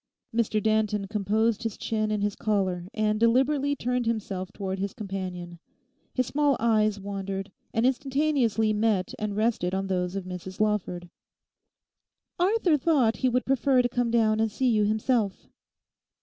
Mr Danton composed his chin in his collar, and deliberately turned himself towards his companion. His small eyes wandered, and instantaneously met and rested on those of Mrs Lawford. 'Arthur thought he would prefer to come down and see you himself.